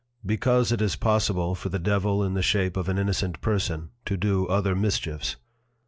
2. _Because it is possible for the Devil in the Shape of an innocent Person to do other mischiefs.